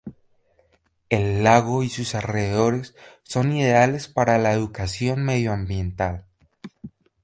El lago y sus alrededores son ideales para la educación medioambiental.